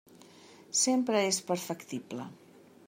Sempre és perfectible.